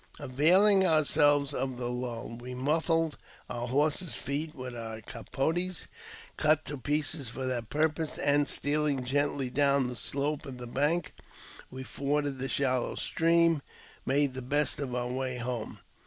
Availing ourselves of the lull, we muffled our horses' feet with our capotes, cut to pieces for the purpose, and, stealing gently down the slope of the bank, we forded the shallow stream, and made the best of our way home.